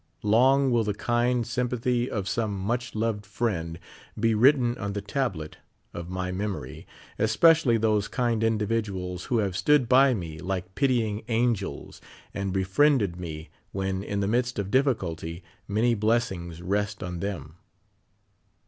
Long will the kind sym path}^ of some much loved friend be written on the tablet of my memory, especially those kind individuals who have stood by me like pitying angels and befriended me when in the midst of difficulty, many blessings rest on them.